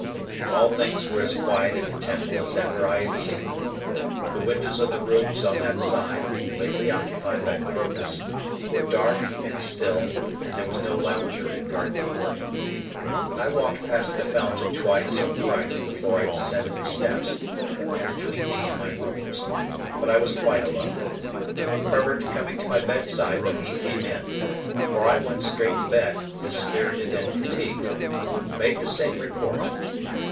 All things were as quiet in the Temple as ever I had seen them. The windows of the rooms on that side, lately occupied by Provis, were dark and still, and there was no lounger in Garden Court. I walked past the fountain twice or thrice before I descended the steps that were between me and my rooms, but I was quite alone. Herbert, coming to my bedside when he came in,—for I went straight to bed, dispirited and fatigued,—made the same report.